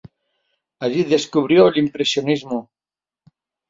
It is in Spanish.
Allí descubrió el Impresionismo.